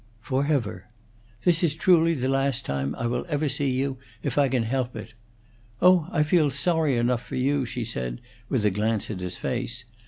"Forever. This is truly the last time I will ever see you if I can help it. Oh, I feel sorry enough for you!" she said, with a glance at his face.